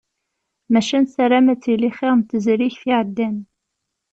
Maca nessaram ad tili xir n tezrigt iɛeddan.